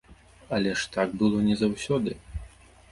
Але ж так было не заўсёды.